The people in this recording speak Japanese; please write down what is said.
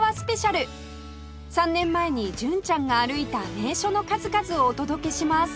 ３年前に純ちゃんが歩いた名所の数々をお届けします